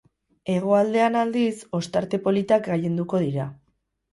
Hegoaldean aldiz, ostarte politak gailenduko dira.